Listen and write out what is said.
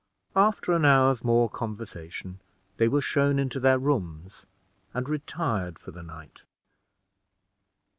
After an hour's more conversation, they were shown into their rooms, and retired for the night.